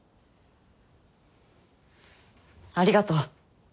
ありがとう。